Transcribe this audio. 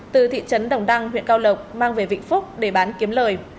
từ thị trấn đồng đăng huyện cao lộc mang về vĩnh phúc để bán kiếm lời